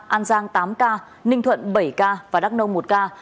an giang tám ca ninh thuận bảy ca và đắk nông một ca